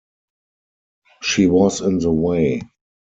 She was in the way.